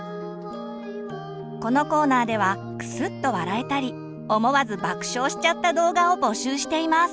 このコーナーではクスッと笑えたり思わず爆笑しちゃった動画を募集しています。